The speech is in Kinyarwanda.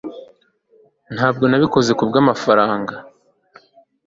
ntabwo nabikoze kubwamafaranga